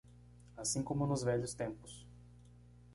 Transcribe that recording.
Assim como nos velhos tempos.